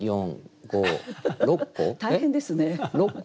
大変ですね。